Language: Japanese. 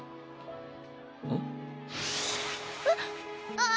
あっ！